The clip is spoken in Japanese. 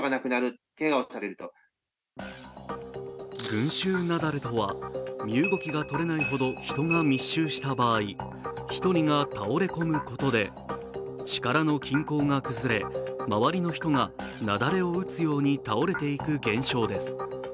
群衆雪崩とは身動きがとれないほど人が密集した場合、１人が倒れ込むことで力の均衡が崩れ周りの人が雪崩を打つように倒れていく現象です。